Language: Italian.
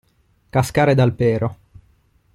Cascare dal pero.